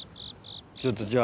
ちょっとじゃあ。